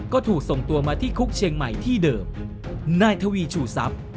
ก็ถูกส่งตัวมาที่คุกเชียงใหม่ที่เดิมนายทวีชูทรัพย์